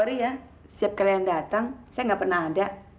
sorry ya siap kalian datang saya nggak pernah ada